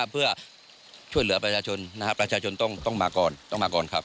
เพื่อช่วยเหลือประชาชนประชาชนต้องมาก่อน